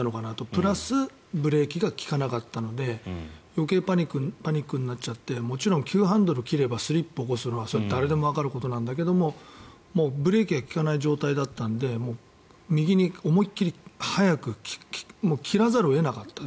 プラスブレーキが利かなかったので余計パニックになっちゃってもちろん急ハンドルを切ればスリップを起こすのは誰でもわかることなんだけどもう、ブレーキが利かない状態だったので右に思いっ切り速くもう切らざるを得なかった。